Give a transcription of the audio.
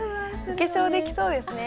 お化粧できそうですね。